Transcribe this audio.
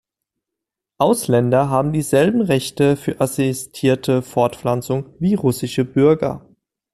Ausländer haben dieselben Rechte für assistierte Fortpflanzung wie russische Bürger.